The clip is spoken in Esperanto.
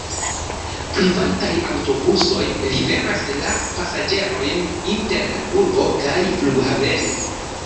Privataj aŭtobusoj liveras la pasaĝerojn inter la urbo kaj flughaveno.